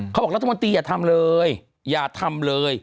เขาบอกรัฐมนตรีอย่าทำเลยอย่าทำเลย